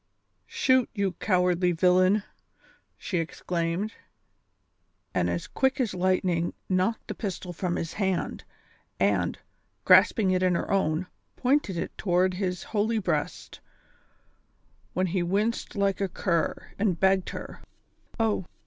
"Shoot, you cowardly villain !" she exclaimed ; and as quick as lightning knocked the pistol from his hand, and, grasping it in her own, pointed it toward his holy breast, when he winced like a cur, and begged her :" Oh